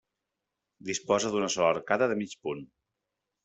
Disposa d'una sola arcada de mig punt.